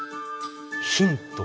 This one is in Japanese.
ヒント。